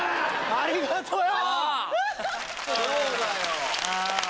ありがとよ！